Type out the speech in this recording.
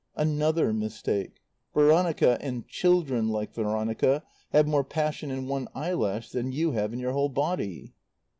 "Another mistake. Veronica, and 'children' like Veronica have more passion in one eyelash than you have in your whole body."